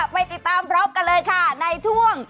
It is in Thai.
ไปติดตามพร้อมกันเลยค่ะในช่วง